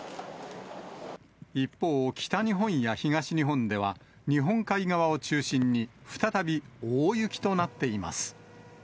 一方、北日本や東日本では、日本海側を中心に再び大雪となっています。